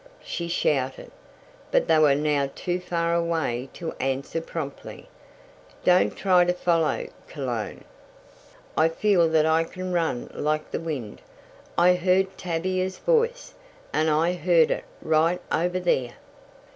she shouted, but they were now too far away to answer promptly. "Don't try to follow, Cologne. I feel that I can run like the wind. I heard Tavia's voice, and I heard it right over there!"